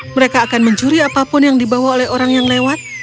mereka akan mencuri apapun yang dibawa oleh orang yang lewat